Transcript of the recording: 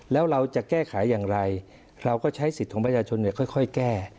แล้วเราจะแก้ไขอย่างไรเราก็ใช้สิทธิ์ของประชาชนค่อยแก้